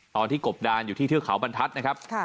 กบดานอยู่ที่เทือกเขาบรรทัศน์นะครับ